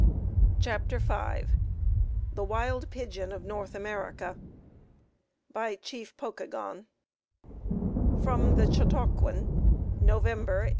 CHAPTER V The Wild Pigeon of North America By Chief Pokagon,[A] from "The Chautauquan," November, 1895.